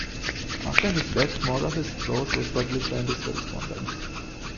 After his death, more of his prose was published and his correspondence.